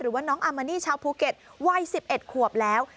หรือว่าน้องอามานี่ชาวภูเก็ตวัยสิบเอ็ดขวบแล้ว